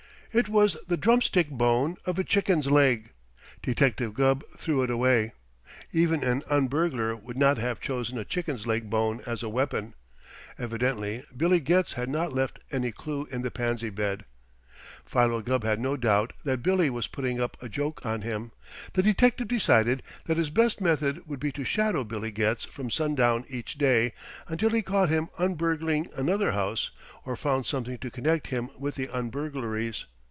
It was the drumstick bone of a chicken's leg. Detective Gubb threw it away. Even an un burglar would not have chosen a chicken's leg bone as a weapon. Evidently Billy Getz had not left any clue in the pansy bed. Philo Gubb had no doubt that Billy was putting up a joke on him. The detective decided that his best method would be to shadow Billy Getz from sundown each day, until he caught him un burgling another house, or found something to connect him with the un burglaries.